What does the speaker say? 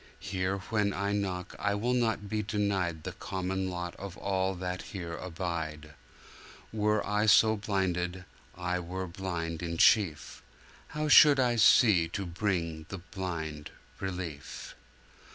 Here when I knock I will not be denied The common lot of all that here abide; Were I so blinded, I were blind in chief: How should I see to bring the blind relief?